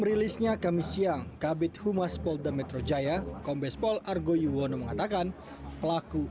rilisnya kami siang kabit humas polda metro jaya kombes pol argo yuwono mengatakan pelaku